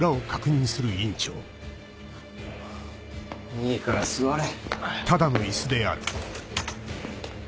いいから座れ。